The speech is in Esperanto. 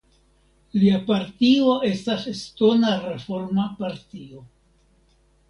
Lia partio estas Estona Reforma Partio.